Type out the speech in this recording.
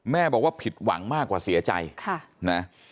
แม่บอกว่าผิดหวังมากกว่าเสียใจนะ